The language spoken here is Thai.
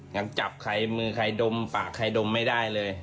ยังจับใครมือใครดมปากใครดมไม่ได้เลย